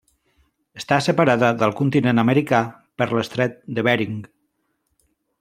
Està separada del continent americà per l'estret de Bering.